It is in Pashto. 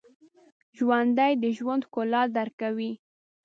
ژوندي د ژوند ښکلا درک کوي